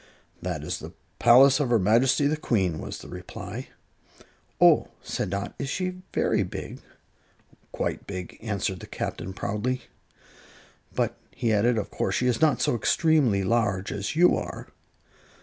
"That is the palace of her Majesty the Queen," was the reply. "Oh!" said Dot; "is she very big?" "Quite big," answered the Captain, proudly. "But," he added, "of course she is not so extremely large as you are."